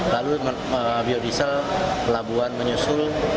lalu biodiesel pelabuhan menyusul